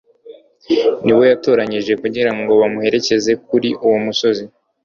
ni bo yatoranije kugira ngo bamuherekeze kuri uwo musozi.